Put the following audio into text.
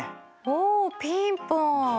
おピンポン！